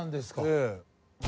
ええ。